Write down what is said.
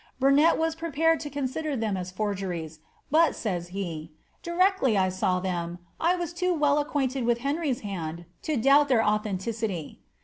Burnet was prepared to con sider them as forgeries, but, says he, ^ directly I saw them, I was too well acquainted with Henry's hand to doubt their authenticity.''